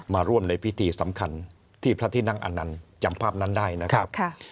มาร่วมในพิธีสำคัญที่พระที่นั่งอนันต์จำภาพนั้นได้นะครับ